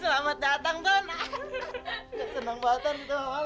selamat datang ton senang banget kita sama lo ton